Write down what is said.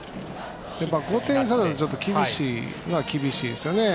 ５点差だと厳しいのは厳しいですね。